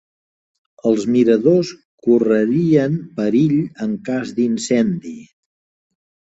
Els miradors correrien perill en cas d'incendi.